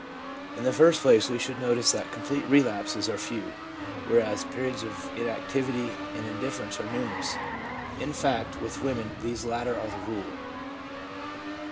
In the first place, we should notice that complete relapses are few, whereas periods of inactivity and in difference are numerous ; in fact, with women, these latter are the rule.